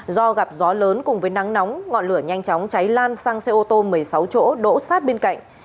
do gặp gió lớn cùng với nắng nóng ngọn lửa nhanh chóng cháy lan sang xe ô tô một mươi sáu chỗ đỗ sát bên cạnh